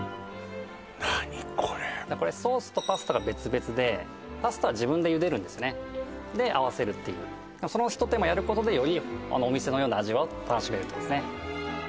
これソースとパスタが別々でパスタは自分でゆでるんですねであわせるっていうそのひと手間やることでよりお店のような味を楽しめるってことですね